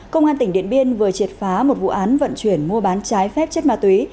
công an tỉnh điện biên vừa triệt phá một vụ án vận chuyển mua bán trái phép chất ma túy